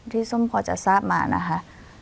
ที่ส้มพอจรศาสตร์มานะคะ